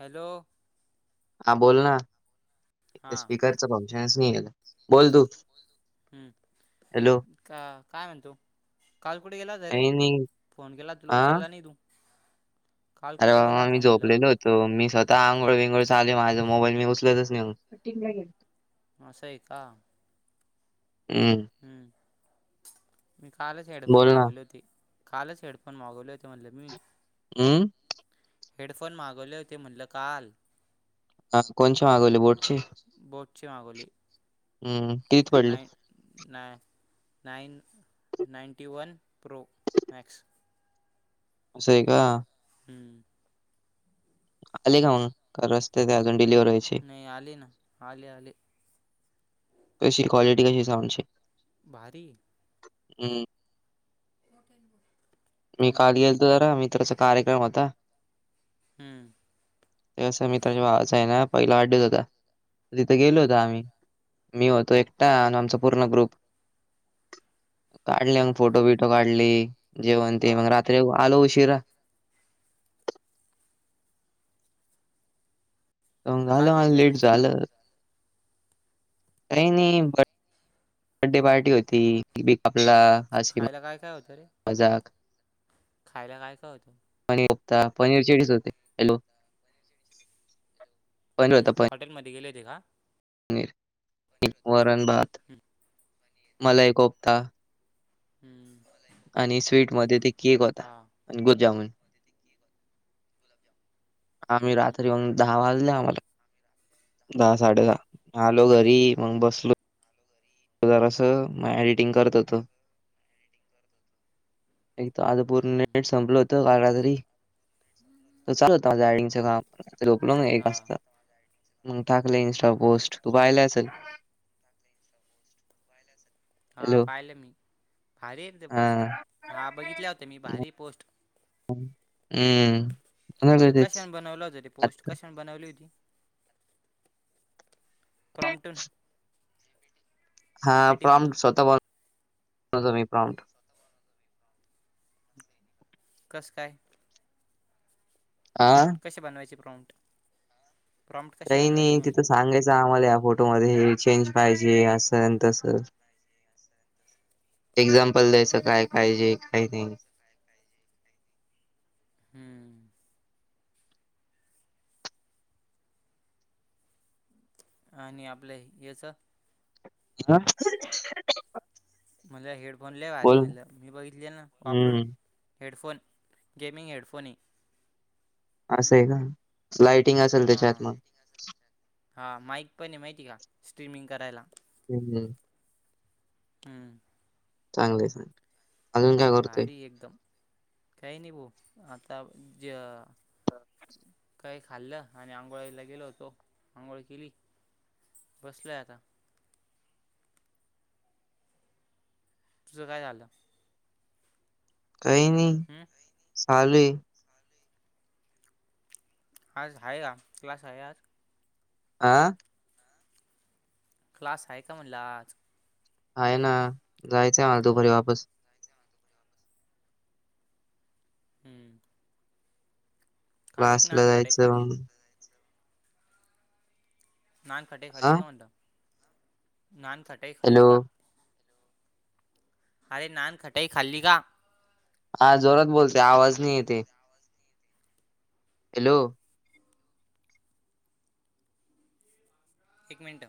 Hello. हां. बोल ना. इथे हां स्पीकरच फंक्शनच नाहीये ना. बोल तू. हं. हॅलो का काय म्हणतो? काल कुठं गेला होता रे? काही नाही फोन केला तुला हा उचलला नाही तू. काल अरे कुठे गेला हां. मी होता म्हणलं झोपलेलो होतो. तो मी स्वतः आंघोळ विंगोळ चालूये माझं. मोबाईल मी उचलतच नाही मग. असं ये का? उम. हम्म. मी कालच हेड फोण बोल ना मागवले होते. कालच हेडफोन मागवले होते म्हणलं मी. उम्म? हेडफोन मागवले होते म्हणलं काल. हा. कोणचे मागवले बोटचे? बोटचे मागवले. उम्म. कितीत पडले? ना. Nine ninety one pro max. असये का? हम्म. आले का मग? का रस्त्यात ए अजून डिलिव्हर व्हाय - नाही आले ना. आले आले. कशी? क्वालिटी कशी ये साऊंडची? भारीए. उम्म. मोठ्यानी बोलं. मी काल गेलतो जरा. मित्राचा कार्यक्रम होता. हम्म. ते कसं मित्राच्या भावाच आहे ना पहिला वाढदिवस होता. तर तिथं गेलो होतो हम्म आम्ही. मी होतो एकटा आणि आमचा पूर्ण ग्रुप. काढले मग फोटो बिटो काढले. जेवण हा ते मग रात्री आलो उशीरा. त मंग काय झालं काय मला केलं लेट तिथं झालं. काही नाही भ- बड्डे पार्टी होती. केक कापला, आईस्क्रिम आण खायला काय काय होतं रे -हशी म मजाक. खायला काय काय होतं पनीर कोफ्ता, पनीर चिलीच होती. हॅलो. पनीर हम्म. होता हॉटेलमध्ये गेले होते का? पनीर. वरणभात, हं, मलाई कोफ्ता. हम्म आणि स्वीट मध्ये ते केक होता आणि गुजामुन. आम्ही रात्री हं, मग दहा वाजले आम्हाला. दहा साडे दहा, आलो घरी मग बसलो जरासं मग एडिटिंग करत होतो. एक तर आज पूर्ण हं, नेट संपलं होतं, काल रात्री. तो चालू होतं माझं आयडिंगच काम, झोपलो मी एक हा वाजता. मग टाकलं इन्स्टा पोस्ट, तू पाहिले असल. पाहिलं असेल, हां हॅलो. पाहिलं मी, भारीये तुझं पोस्ट, हां. हा बघितल्या तर मी भारी पोस्ट हम्म अ माझं क तेच कशाने बनवलं होतं ते पोस्ट आता कशाने बनवली होती, प्रॉम्टन हां प्रॉम्टस होता, स्वतः बनवतो मी प्रॉम्प्ट. कस काय? आ. कसे बनवायचे प्रोम्प्ट? काही नाही तिथं म्हणलं सांगायचं आम्हाला या फोटोमध्ये हे चेंज पाहिजे, असं अन तसं. एक्झाम्पल द्यायचं काय पाहिजे काही नाही. हम्म. हा आणि आपल्या याचं ह म्हणलं एक हेडफोन लई भारी बोल. म्हणलं, मी बघितली ना वापरून. हम्म. हेडफोन, गेमिंग हेडफोन ए. असं आहे का? लायटिंग असेल त्याच्यात मग? हा, माईक पण आहे माहिती का? स्ट्रीमिंग करायला. हम्म हम्म हम्म चांगले चांगले. भारी आहे एकदम. काही नाही भो आता जे [unintelligible] काही खाल्लं आणि आंघोळायला गेलो होतो, आंघोळ केली, बसलोय आता. तुझं काय झालं? काय नाय. हम्म, काय? चालूये. आज आहे हा क्लास आहे आज. आ क्लास आहे का म्हणलं आज? आहे ना, जायचंय मला दुपारी वापस. हम्म. खाल्ली की क्लासला नान खटाई खाल्ली जायचं. नानखटाई हा खाल्ली का म्हटलं? नानखटाई खाल्ली हॅलो का? अरे नानखटाई खाल्ली का? हा जोरात बोलते, आवाज नाही येते. हॅलो! एक मिनटं.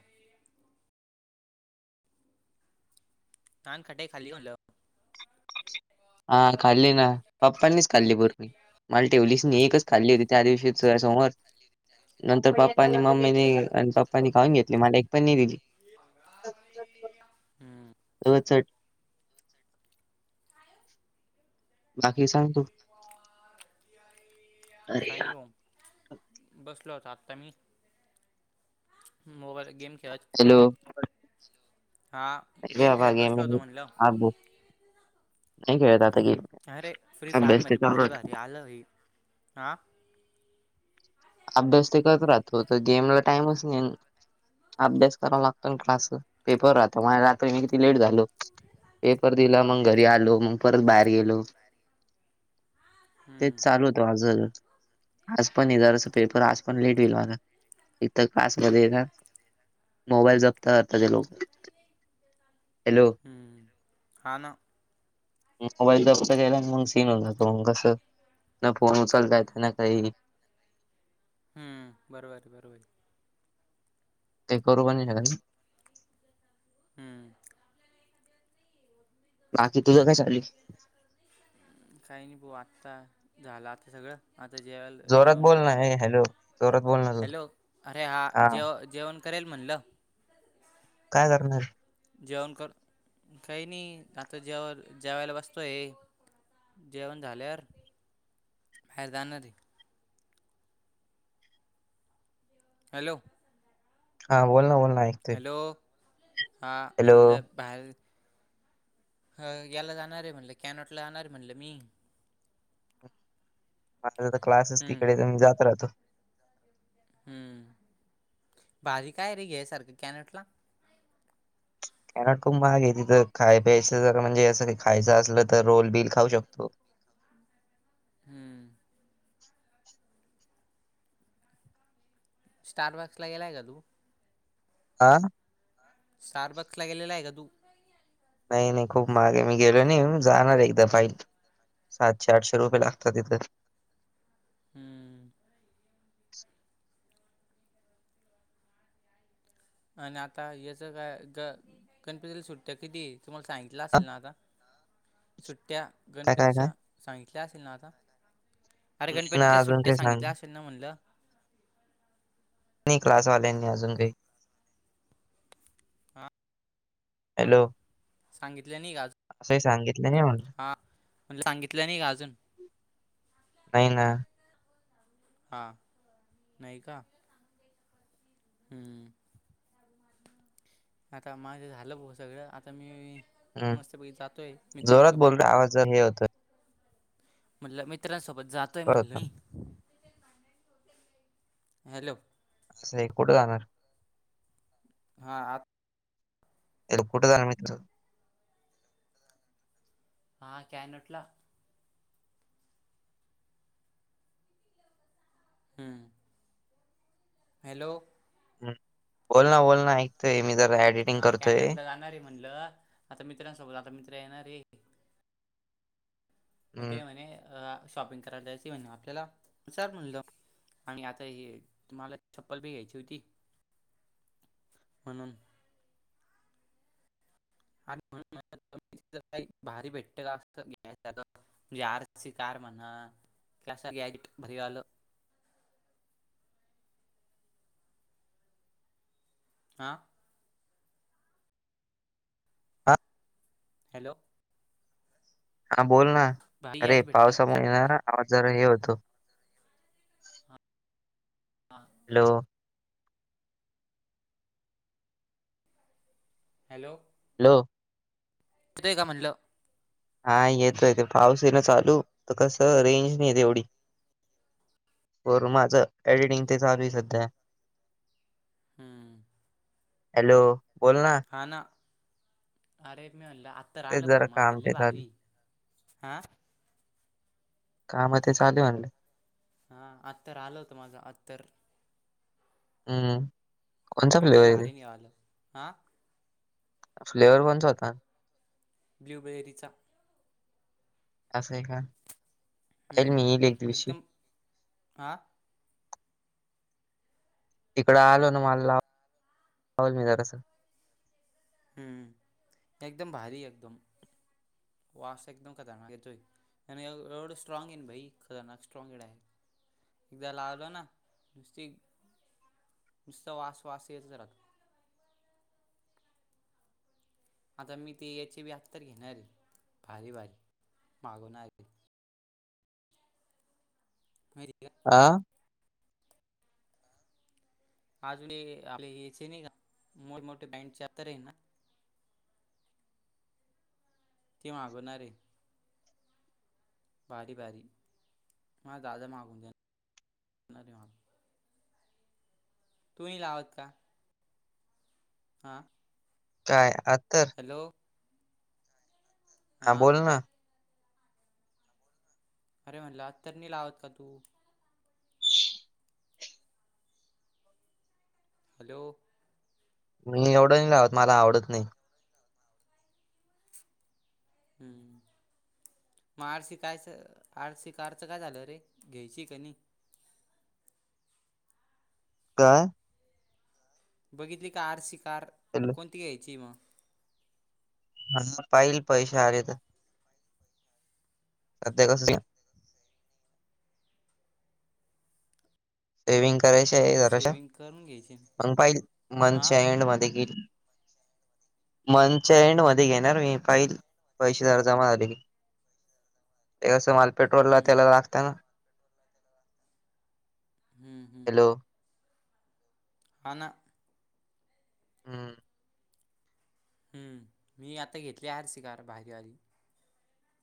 नानखटाई खाल्ली कां म्हणलं? हा खाल्ली ना, पप्पांनीच खाल्ली बर्फी. मला ठेवलीच नाय, एकच खाल्ली होती त्या दिवशी तुझ्या समोर. त्यादिवशी तुझ्या समोर. [unintelligible] त्याणी खाऊन घेतली मला एक पण दिली हम्म च बाकी सांग तू काहिनी बमं बसला होतो आत्ता मी मोबाईल गेम खेळत. हॅलो हा हॅलो गेम आग खेळत गे बसलो होतो मी म्हणलं नाहीे खेळत आता गेम काय रे फ्री फायर अभ्यास ते मध्ये चालू भारी राहतो भारी आलं होई हां. अभ्यास ते करत राहतो तर जेमला टाइमच नाही. अभ्यास करावा लागतो ना क्लास पेपर राहत माझ रात्री मी किती लेट झालो. पेपर दिला मग घरी आलो मग परत बाहेर गेलो. [inaudible] तेच चालू होतं माझ आज पण येजाल सकाळी पेपर आज पण लेट होईल माझं. इत काल्समध्ये का मोबाईल जप्त करतात ते लोक. हॅलो. हूं हााना. मोबाईल जप्त केला आणि मग सीन होन जातो मग कसं ना फोन उचलतायेतं ना काही हम्म बरोबर आहे बरोबर आहे. ते करू पण श हम्म. बाकी तुझ्या काही नाही बो आत्ता झाला आता सगळं. आाता जेवाला जोरात जेवण बोल करे ना हे हॅलो जोरात बोल ना तू हॅलो अरे हा जेव जेवण करेल म्हणलं. काय करणार. जेवण कर काही नाही आता जेव जेवायला बसतोय. जेवण झाल्यावर बाहेर जाणार त हॅलो! हा बोल ना बोल. ऐकतोय हॅलो! हा हॅलो मलब. बाहेर याला जाणार आहे म्हणलं कॅनॉटला जाणार आहे म्हणलं मी माझा तर क्लासच हम्म तिकडे तर मी जात राहतो. हम्म भारी काय रे घ्यासारखं कॅनटला. कॅनट खूप महाग आहे त तर खाय प्यायच म्हणजे असं खायचं असलं तर रोल बिल खाऊ शकतो. हम्म. स्टार बॉक्स ला गेलाय का तू आह. स्टारबक्स ला गेलेला आहे का तू. नाही नाही खूप महाग आहे मी गेलो नाही जाणार एकदा पाईल. सातशे आठशे रुपये लागतात तिथं- हम्म. आणि आता याच काय ग गणपतीला सुट्ट्या किती तुम्हाला सांगित. ला हां, असेल ना आता सुट्ट्या काय, काय, काय? गणपतीच्या सांगितल्या असेल ना आता. अरे नाही ना गणपतीच्या अजून सुट्ट्या काही सांग सांगितल्या असेल ना म्हटलं. नाही क्लासवाल्यांनी अजून काही हॅलो, सांगितले नि गाज असंही सांगितलं नाही म्हटलं. हा. म्हणज सांगितलं नाही का अजून. नाही ना. हा नाही का हम्म. आता माझं झालं बघ सगळं आता मी हं, मस्तपैकी जातोय, जोरात मित्रांसोबत बोल रे आवाज जरा हे होतोय म्हणल, मित्रांसोबत जातोय कट म्हणल. होतो. हॅलो? असं आहे, कुठ जाणार? हा, आता एड कुठ [unintelligible] [unintelligible] मी हा, कॅनटला. हम्म! हॅलो? ह् बोल ना, बोल ना त मी जरा एडिटिंग हा करतोय. कॅनटला जाणार आहे म्हटलं, आता मित्रांसोबत, आता मित्र येणार आहे मग हं, ते म्हणे, अ शॉपिंग कराय जायचं ये म्हणे आपल्याला, [unintelligible] म्हणलं. आणि आता हे, तुम्हाला चप्पल बी घ्यायची होती, म्हणून आणि म्हणून [unintelligible] जर काही भारी भेटत असत घ्यायचं, [unintelligible] म्हणजे आर सी कार म्हणा [unintelligible] भरी आल आ? हा. हॅलो! हा बोल ना, भारी अरे गॅज भेटतं पावसामुळे ये ना, का आवाज जरा हे होतो. हा. हॅलो! हॅलो! हॅलो! येतोय का? म्हटलं हा येतोय, ते पाऊस ये ना चालू, तर कसं, रेंज नाही येत एवढी [unintelligible] माझं एडिटिंग ते चालू आहे सध्या. हम्म. हॅलो? बोल ना. हा ना, अरे तेच [unintelligible] भाऊ जरा माझं, काम लई ते चालू आहे. भारी आ? काम हाय, ते चालू ये म्हणलं हा, अत्तर आलं होतं माझं, अत्तर हम्म! कोणसा फ्लेवर एकदम आहे रे? भारी निघालं हां फ्लेवर कोणचा होता? ब्ल्यू बेरीचा. असं आहे का. येईल हम्म, मी येईल एक दिवशी एकदम आ इकड आलो ना मला, लावल मी जरासं हम्म! एकदम भारी एकदम, वस एकदम खतरनाक येतोय. आणि एवढं स्ट्राँंग ये ना भाई, खतरनाक स्ट्रॉँगड आहे. एकदा लावलं ना नुसती नुसता वास, वास येतच राहतो. आता मी ती येची बी अत्तर घेणार ये, भारी वाली, मागवणार आहे. मेरी [unintelligible] आ? अजून हे आपले याचे नाही का, मोठमठे बँडचे अत्तर ये ना ती मागवणारे भारी-भारी, मा जादा माघून दया [inaudible] तु नई लावत का? हा. काय अत्तर? हॅलो? हा बोल ना. अरे म्हणलं अत्तर नई लावत का तू? हॅलो? मी एवढं नाही लावत, मला आवडत नाही. हम्म. मग आड सी कायचं, आरसी कारचं काय झालं रे, घ्यायची क नाही? काय? बघितली का आर सी कार? हॅलो? कोणती घ्यायची मग? अं पाहिल पैशे आरे तर. सध्या कस सेविंग करायची आहे जराश, सेविंग करून घ्यायची मग पाहिल हा मंथच्या एंड मध्ये घेईल. मंथच्या एंड मध्ये हम्म घेणार मी, पाहिल पैशे जरा जमा झाले कि. ते कसं माल पेट्रोल ला, हम्म त्याला लागत ना. हम्म हम्म. हॅलो हाना. हम्. हम्म, मी आता घेतली आर सी कार भारीवाली.